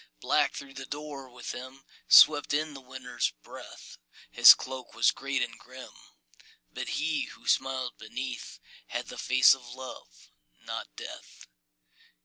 _ Black through the door with him Swept in the Winter's breath; His cloak was great and grim But he, who smiled beneath, Had the face of Love not Death.